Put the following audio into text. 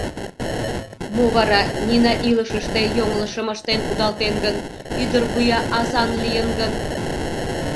Мо вара, Нина илышыште йоҥылышым ыштен кудалтен гын, ӱдырвуя азан лийын гын?